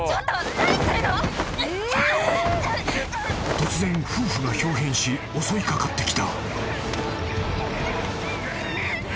［突然夫婦が豹変し襲い掛かってきた］